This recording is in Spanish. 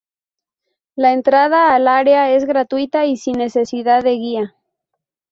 La entrada al área es gratuita y sin necesidad de guía.